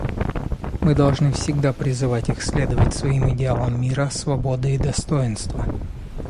Мы должны всегда призывать их следовать своим идеалам мира, свободы и достоинства.